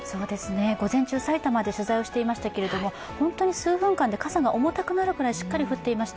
午前中、埼玉で取材していましたけれども、本当に数分間で傘が重たくなるくらいしっかり降っていました。